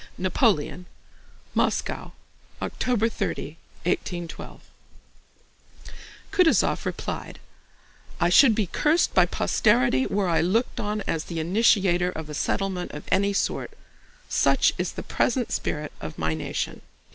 NAPOLEON MOSCOW, OCTOBER 30, 1812 Kutúzov replied: "I should be cursed by posterity were I looked on as the initiator of a settlement of any sort. Such is the present spirit of my nation."